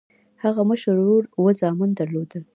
هغه مشر ورور اووه زامن درلودل.